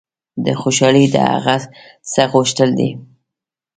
خوشحالي د هغه څه غوښتل دي.